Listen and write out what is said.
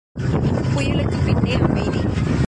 புயலுக்குப் பின்னே அமைதி.